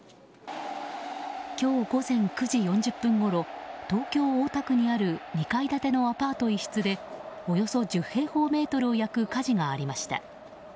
今日午前９時４０分ごろ東京・大田区にある２階建てのアパート一室でおよそ１０平方メートルを焼く火事がありました。